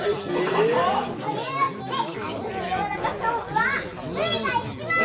かたっ！というわけでからだのやわらかしょうぶはスイがいちばん！